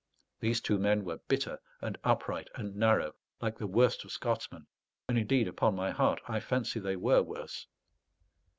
These two men were bitter and upright and narrow, like the worst of Scotsmen, and indeed, upon my heart, I fancy they were worse.